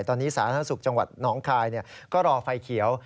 ตอนนี้สาธารณสุขจังหวัดน้องคายก็รอไฟเขียว